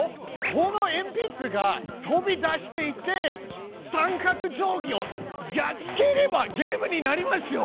このえんぴつが飛び出していって三角定規をやっつければゲームになりますよ！